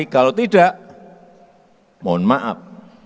kalau tidak mohon maaf